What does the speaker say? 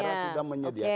negara sudah menyediakan